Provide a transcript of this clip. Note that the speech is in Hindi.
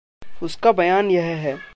उसका बयान यह है।